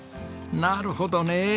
なるほどね。